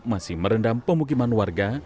masih merendam pemukiman warga